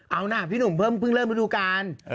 เอานะพี่หนุ่มเพิ่งเริ่มฤดูกาล